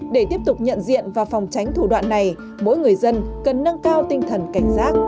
để tiếp tục nhận diện và phòng tránh thủ đoạn này mỗi người dân cần nâng cao tinh thần cảnh giác